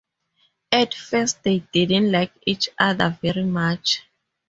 At first they didn't like each other very much.